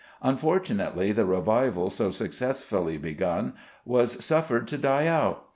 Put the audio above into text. Unfortunately, the revival so successfully begun was suffered to die out.